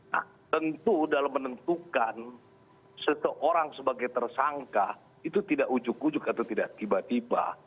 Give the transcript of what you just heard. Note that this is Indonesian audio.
nah tentu dalam menentukan seseorang sebagai tersangka itu tidak ujuk ujuk atau tidak tiba tiba